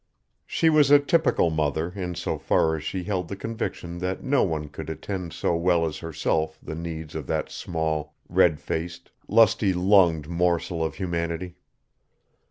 She was a typical mother in so far as she held the conviction that no one could attend so well as herself the needs of that small, red faced, lusty lunged morsel of humanity.